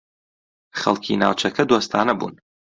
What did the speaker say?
خەڵکی ناوچەکە دۆستانە بوون.